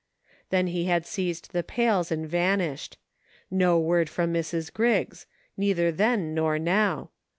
Then he had seized the pails and vanished. No word from Mrs. Griggs ; neither then nor now.